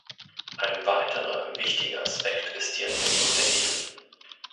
Ein weiterer wichtiger Aspekt ist die Entwicklung der Häfen.